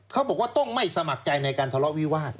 เขาบอกว่าต้องไม่สมัครใจในการทะเลาะวิวาส